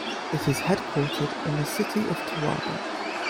It is headquartered in the city of Towada.